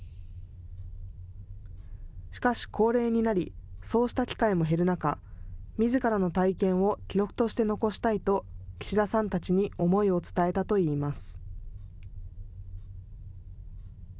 しかし高齢になりそうした機会も減る中、みずからの体験を記録として残したいと岸田さんたちに思いを伝えたといいます。